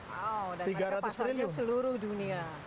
wow dan harga pasarnya seluruh dunia